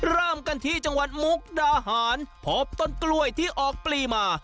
เริ่มกันที่จังหวัดมุกดาหารพบต้นกล้วยที่ออกปลีมา